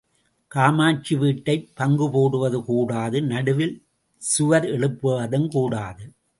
காமாட்சி வீட்டைப் பங்குபோடுவது கூடாது நடுவில் சுவர் எழுப்புவதும் கூடாது.